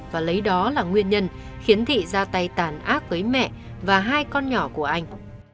và lấy đó là nguyên nhân khiến thị ra tay tàn ác với mẹ và hai con nhỏ của anh